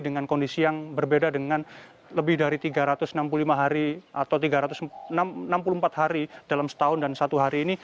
dengan kondisi yang berbeda dengan lebih dari tiga ratus enam puluh lima hari atau tiga ratus enam puluh empat hari dalam setahun dan satu hari ini